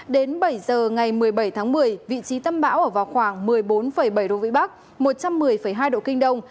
đến bảy giờ ngày một mươi bảy tháng một mươi vị trí tâm bão ở vào khoảng một mươi bốn bảy độ vĩ bắc một trăm một mươi hai độ kinh đông